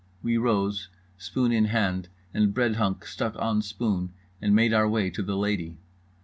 We rose, spoon in hand and breadhunk stuck on spoon, and made our way to the lady.